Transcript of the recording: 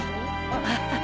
アハハ。